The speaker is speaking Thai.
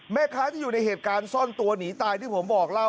แม่ค้าที่อยู่ในเหตุการณ์ซ่อนตัวหนีตายที่ผมบอกเล่า